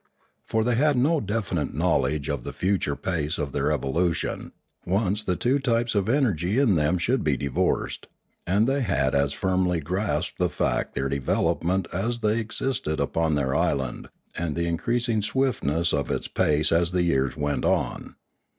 For they had no definite knowledge of the future pace of their evolution, once the two types of energy in them should be divorced; and they had as a firmly grasped fact their development as they ex isted upon their island, and the increasing swiftness of its pace as the years went on.